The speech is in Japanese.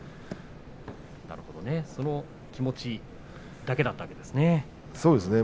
なるほどその気持ちだけだったわけですね。